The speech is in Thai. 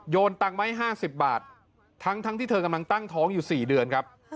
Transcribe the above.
ตังค์ไว้๕๐บาททั้งที่เธอกำลังตั้งท้องอยู่๔เดือนครับ